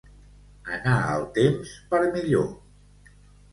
Anar el temps per millor.